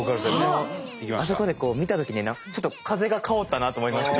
あそこで見たときにちょっと風が薫ったなと思いまして。